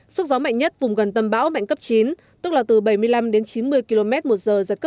sức gió mạnh nhất vùng gần tâm bão mạnh cấp chín tức là từ bảy mươi năm đến chín mươi km một giờ giật cấp một mươi